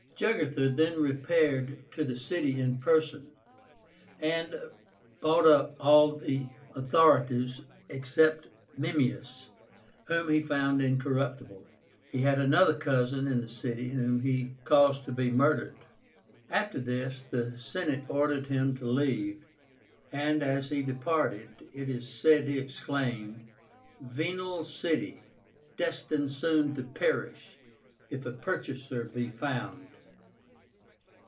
Jugurtha then repaired to the city in person, and bought up all the authorities except Memmius, whom he found incorruptible. He had another cousin in the city, whom he caused to be murdered. After this the Senate ordered him to leave, and as he departed, it is said he exclaimed, "Venal city, destined soon to perish, if a purchaser be found!"